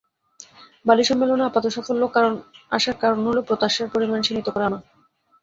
বালি সম্মেলনে আপাতসাফল্য আসার কারণ হলো, প্রত্যাশার পরিমাণ সীমিত করে আনা।